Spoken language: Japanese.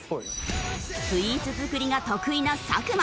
スイーツ作りが得意な作間。